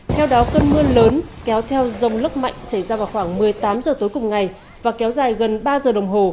theo đó cơn mưa lớn kéo theo dông lốc mạnh xảy ra vào khoảng một mươi tám h tối cùng ngày và kéo dài gần ba giờ đồng hồ